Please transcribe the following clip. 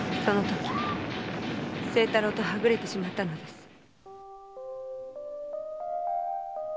そのとき清太郎とはぐれてしまったのです。